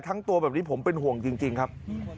ทั้งตัวผมเป็นห่วงจริงครับ